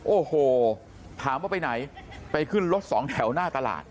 โอ้โหถามว่าไปไหนไปขึ้นรถสองแถวหน้าตลาด